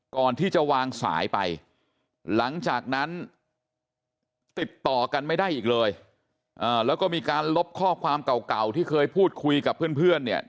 ก่อนที่จะวางสายไปหลังจากนั้นติดต่อกันไม่ได้อีกเลยแล้วก็มีการลบข้อความเก่าที่เคยพูดคุยกับเพื่อนเนี่ย